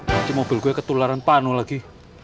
nanti mobil gue ketularan pano lagi